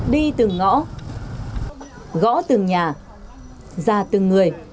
đi từng ngõ gõ từng nhà ra từng người